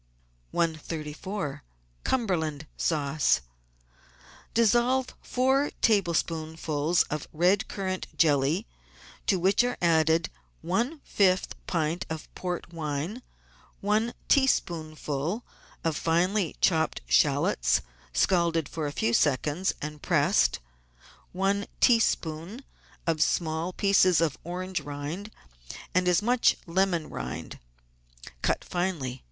134— CUMBERLAND SAUCE Dissolve four tablespoonfuls of red currant jelly, to which are added one fifth pint of port wine, one teaspoonful of finely chopped shallots, scalded for a few seconds and pressed, one teaspoonful of small pieces of orange rind and as much lemon rind (cut finely.